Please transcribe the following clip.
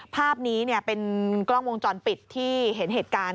ภาพนี้เป็นกล้องวงจรปิดที่เห็นเหตุการณ์